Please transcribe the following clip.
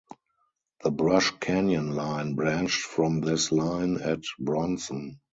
The Brush Canyon Line branched from this line at Bronson.